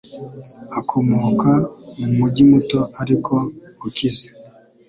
Akomoka mu mujyi muto ariko ukize.